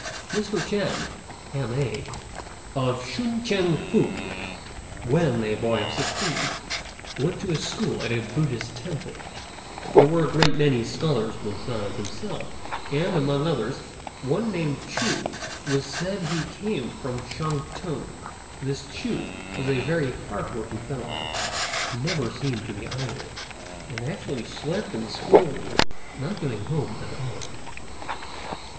Mr. Ch'ên, M.A., of Shun t'ien Fu, when a boy of sixteen, went to school at a Buddhist temple. There were a great many scholars besides himself, and, among others, one named Ch'u, who said he came from Shantung. This Ch'u was a very hard working fellow; he never seemed to be idle, and actually slept in the school room, not going home at all.